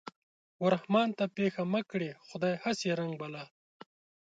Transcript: و رحمان ته پېښه مه کړې خدايه هسې رنگ بلا